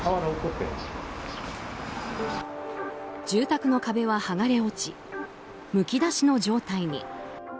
住宅の壁は剥がれ落ちむき出しの状態に。